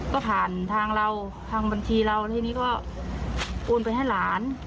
ก็ผ่านทางเราทางบัญชีเราทีนี้ก็โอนไปให้หลาน